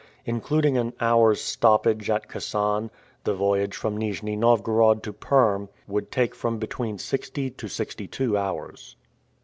Including an hour's stoppage at Kasan, the voyage from Nijni Novgorod to Perm would take from between sixty to sixty two hours.